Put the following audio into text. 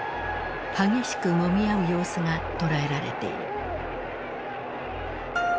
激しくもみ合う様子が捉えられている。